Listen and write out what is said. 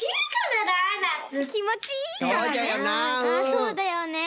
そうだよね。